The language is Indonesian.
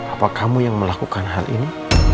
apa kamu yang melakukan hal ini